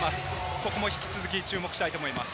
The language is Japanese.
ここも引き続き注目したいと思います。